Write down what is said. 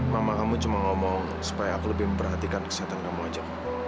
mama kamu cuma ngomong supaya aku lebih memperhatikan kesehatan kamu aja